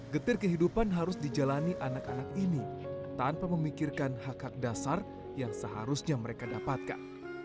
getir kehidupan harus dijalani anak anak ini tanpa memikirkan hak hak dasar yang seharusnya mereka dapatkan